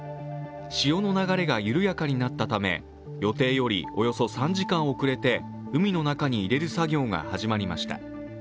潮の流れが緩やかになったため、予定よりおよそ３時間遅れて海の中に入れる作業が始まりました。